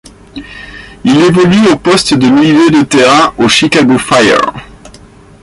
Il évolue au poste de milieu de terrain au Chicago Fire.